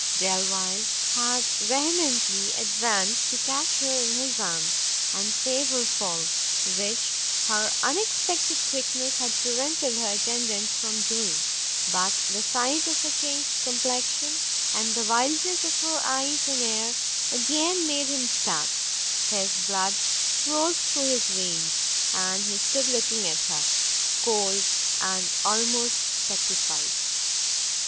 Delvile had vehemently advanced to catch her in his arms and save her fall, which her unexpected quickness had prevented her attendants from doing; but the sight of her changed complection, and the wildness of her eyes and air, again made him start, his blood froze through his veins, and he stood looking at her, cold and almost petrified.